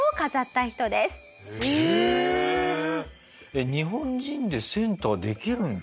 えっ日本人でセンターできるんだ。